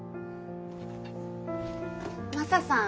マサさん